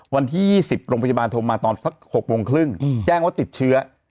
วันที่๒๐โรงพยาบาลโทรมาตอนสัก๖โมงครึ่งแจ้งว่าติดเชื้อ